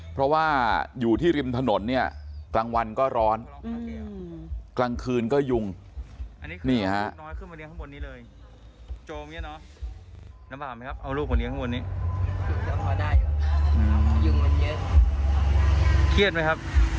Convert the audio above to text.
เพราะว่าอยู่ที่ริมถนนเนี่ยกลางวันก็ร้อนกลางคืนก็ยุงนี่ฮะ